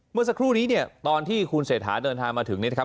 เมื่อสักครู่นี้เนี่ยตอนที่คุณเศรษฐาเดินทางมาถึงเนี่ยนะครับ